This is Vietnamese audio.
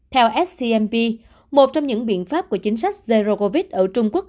theo scmp một trong những biện pháp của chính sách zero covid ở trung quốc